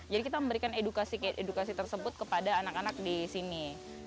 jadi kita memberikan edukasi tersebut kepada anak anak di sini